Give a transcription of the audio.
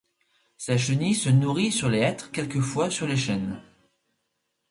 Sa chenille se nourrit sur les hêtres quelquefois sur les chênes.